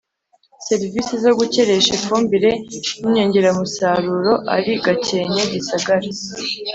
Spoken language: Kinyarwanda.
Serivisi zo gukeresha ifumbire n inyongeramusaruro ari gakenke gisagara